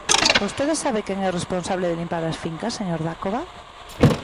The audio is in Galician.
¿Vostede sabe quen é o responsable de limpar as fincas, señor Dacova?